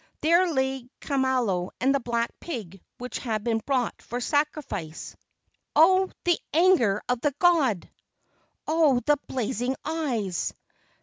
There lay Kamalo and the black pig which had been brought for sacrifice. "Oh, the anger of the god! Oh, the blazing eyes!"